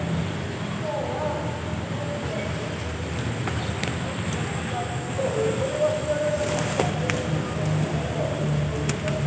弓道は日本では女性にも人気なんですよって教えてあげるとそれは知らなかったみたいで彼女、とても喜んでいました。